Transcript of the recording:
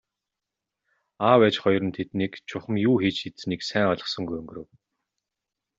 Аав ээж хоёр нь тэднийг чухам юу хийж идсэнийг сайн ойлгосонгүй өнгөрөв.